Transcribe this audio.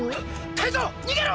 タイゾウにげろ！